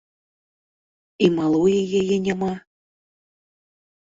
І малое яе няма!